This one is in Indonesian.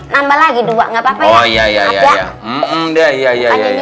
nambah lagi dua enggak papa ya oh ya ya ya ya ya